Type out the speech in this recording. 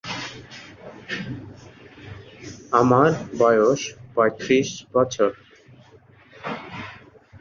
রিগ-'দ্জিন-র্গোদ-ল্দেম-ছেন-দ্ঙ্গোস-গ্রুব-র্গ্যাল-ম্ত্শান বেশ কিছু লুক্কায়িত প্রাচীন গ্রন্থ আবিষ্কার করেন।